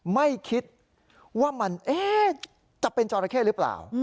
ไม่คิดว่ามันจะเป็นจราเข้หรือเปล่า